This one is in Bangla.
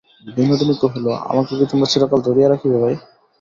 বিনোদিনী কহিল, আমাকে কি তোমরা চিরকাল ধরিয়া রাখিবে, ভাই।